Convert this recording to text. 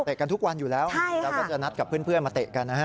กันทุกวันอยู่แล้วแล้วก็จะนัดกับเพื่อนมาเตะกันนะฮะ